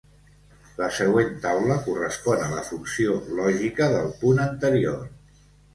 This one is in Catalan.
La següent taula correspon a la funció lògica del punt anterior.